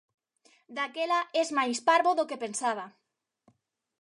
Daquela es máis parvo do que pensaba.